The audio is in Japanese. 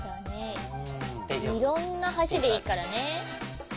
いろんなはしでいいからね。